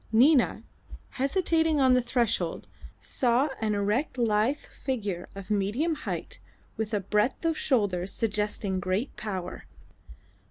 Nina, hesitating on the threshold, saw an erect lithe figure of medium height with a breadth of shoulder suggesting great power.